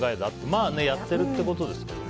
まあやってるってことですけどね。